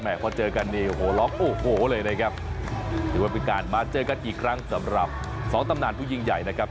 พอเจอกันนี่โหร้องโอ้โหเลยนะครับถือว่าเป็นการมาเจอกันอีกครั้งสำหรับสองตำนานผู้ยิ่งใหญ่นะครับ